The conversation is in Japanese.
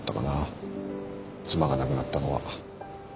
妻が亡くなったのは。